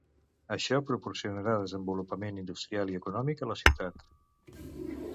Això proporcionarà desenvolupament industrial i econòmic a la ciutat.